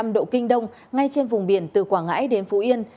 một trăm linh chín năm độ kinh đông ngay trên vùng biển từ quảng ngãi đến phú yên